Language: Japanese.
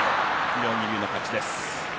妙義龍の勝ちです。